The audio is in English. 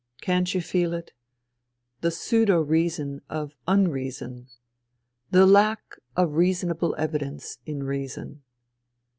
Can't you feel it ? The pseudo reason of unreason. The lack of reasonable evidence in reason.